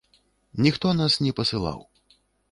Ніхто нас не пасылаў.